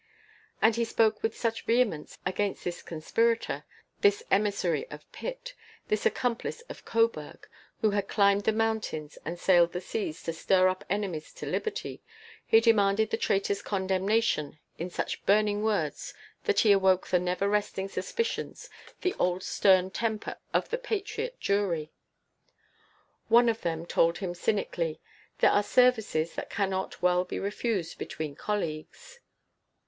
And he spoke with such vehemence against this conspirator, this emissary of Pitt, this accomplice of Coburg, who had climbed the mountains and sailed the seas to stir up enemies to Liberty, he demanded the traitor's condemnation in such burning words, that he awoke the never resting suspicions, the old stern temper of the patriot jury. One of them told him cynically: "There are services that cannot well be refused between colleagues."